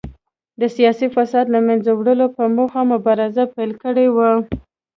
د سیاسي فساد له منځه وړلو په موخه مبارزه پیل کړې وه.